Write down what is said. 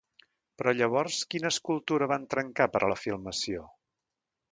Però llavors, quina escultura van trencar, per a la filmació?